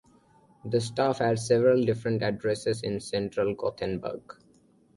The staff had several different addresses in central Gothenburg.